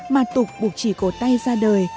mà tục buộc chỉ cầu tay ra đời